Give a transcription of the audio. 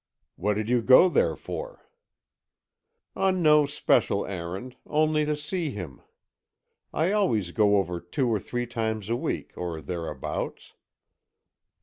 "What did you go there for?" "On no especial errand; only to see him. I always go over two or three times a week, or thereabouts."